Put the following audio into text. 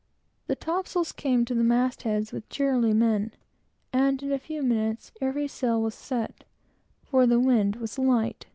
The top sails came to the mast heads with "Cheerily, men!" and, in a few minutes, every sail was set; for the wind was light.